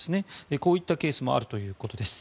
こういったケースもあるということです。